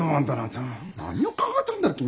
何を考えてるんだね